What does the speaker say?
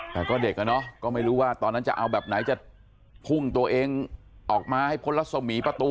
แต่ก็เด็กอ่ะเนาะก็ไม่รู้ว่าตอนนั้นจะเอาแบบไหนจะพุ่งตัวเองออกมาให้พ้นรัศมีประตู